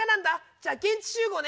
じゃあ現地集合ね。